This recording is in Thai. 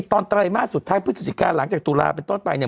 ไตรมาสสุดท้ายพฤศจิกาหลังจากตุลาเป็นต้นไปเนี่ย